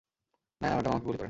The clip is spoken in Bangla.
নায়না ম্যাডাম, আমাকে গুলি করেন!